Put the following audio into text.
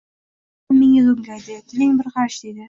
Aybni menga to‘nkaydi: tiling bir qarich, deydi.